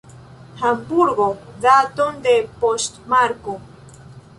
Hamburgo, daton de poŝtmarko.